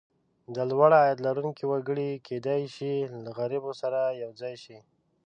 د لوړ عاید لرونکي وګړي کېدای شي له غریبو سره یو ځای شي.